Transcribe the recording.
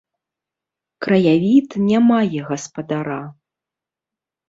Краявід ня мае гаспадара.